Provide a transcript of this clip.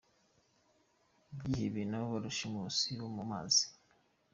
Ibyihebe na ba rushimusi bo mu mazi….